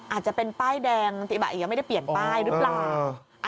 อาจจะเป็นป้ายแดงติบะยังไม่ได้เปลี่ยนป้ายหรือเปล่า